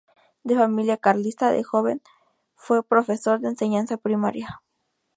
De familia carlista, de joven fue profesor de enseñanza primaria.